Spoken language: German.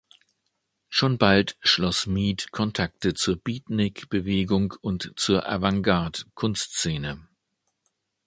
Schon bald schloss Mead Kontakte zur Beatnik-Bewegung und zur Avantgarde-Kunstszene.